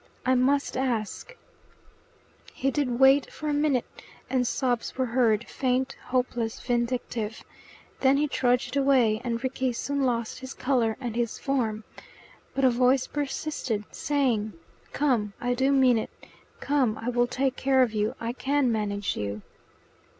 "I must ask " He did wait for a minute, and sobs were heard, faint, hopeless, vindictive. Then he trudged away, and Rickie soon lost his colour and his form. But a voice persisted, saying, "Come, I do mean it. Come; I will take care of you, I can manage you."